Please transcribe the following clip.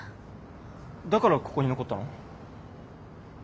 だからここに残ったの？